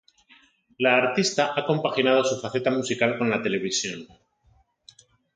La artista ha compaginado su faceta musical con la televisión.